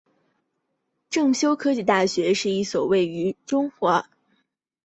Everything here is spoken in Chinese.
正修科技大学是一所位于中华民国台湾高雄市鸟松区的私立科技大学。